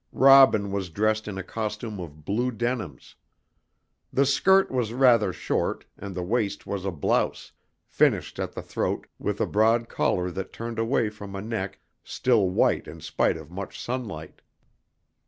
Robin was dressed in a costume of blue denims. The skirt was rather short, and the waist was a blouse, finished at the throat with a broad collar that turned away from a neck still white in spite of much sunlight.